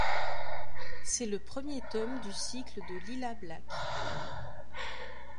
C'est le premier tome du cycle de Lila Black.